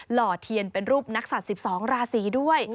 ห่อเทียนเป็นรูปนักศัตริย์๑๒ราศีด้วย